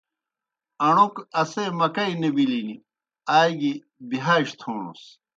اݨوْک اسے مکئی نہ بِلِن آ گیْ بِہاج تھوݨَس۔